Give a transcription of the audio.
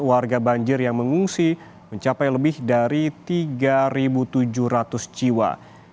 warga banjir yang mengungsi mencapai lebih dari tiga tujuh ratus jiwa